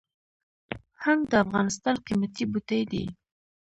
هنګ د افغانستان قیمتي بوټی دی